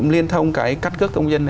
liên thông các cơ công dân